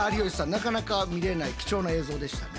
なかなか見れない貴重な映像でしたね。